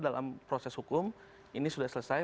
dalam proses hukum ini sudah selesai